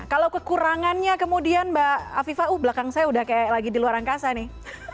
kalau kekurangannya kemudian mbak afifah uh belakang saya udah kayak lagi di luar angkasa nih